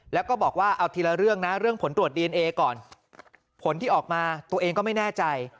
แล้วก็บอกว่าเอาทีละเรื่องนะเรื่องผลตรวจดีเอนเอก่อนผลที่ออกมาตัวเองก็ไม่แน่ใจ